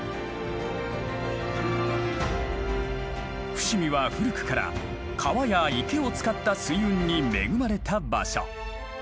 伏見は古くから川や池を使った水運に恵まれた場所。